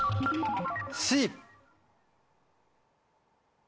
Ｃ。